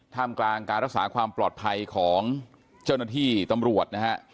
มกลางการรักษาความปลอดภัยของเจ้าหน้าที่ตำรวจนะฮะ